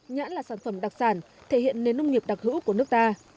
nhãn là sản phẩm đặc sản thể hiện nền nông nghiệp đặc hữu của nước ta